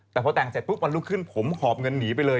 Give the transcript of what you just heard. แต่พอแต่งเสร็จพรุ่งอันลูกขึ้นผมหนีขอบเงินไปเลย